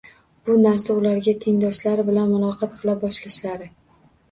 Bu narsa ularga tengdoshlari bilan muloqot qila boshlashlari